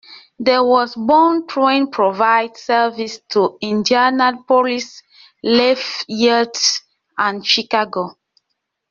The westbound train provides service to Indianapolis, Lafayette, and Chicago.